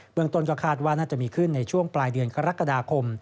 เมืองต้นก็คาดว่าน่าจะมีขึ้นในช่วงปลายเดือนกรกฎาคม